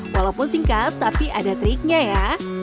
walaupun singkat tapi ada triknya ya